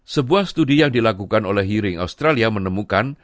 sebuah studi yang dilakukan oleh hearing australia menemukan